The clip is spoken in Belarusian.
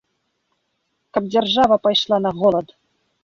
Каб дзяржава пайшла на голад.